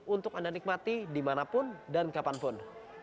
untuk anda nikmati dimanapun dan kapanpun